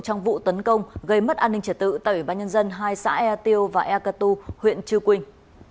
trong vụ tấn công gây mất an ninh trẻ tự tại bãi nhân dân hai xã ea tiêu và ea cà tu huyện chư quỳnh